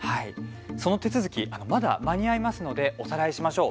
その手続きまだ間に合いますのでおさらいしましょう。